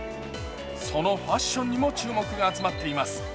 そのファッションにも注目が集まっています。